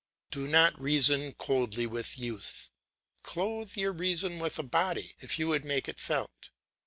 Do not reason coldly with youth. Clothe your reason with a body, if you would make it felt.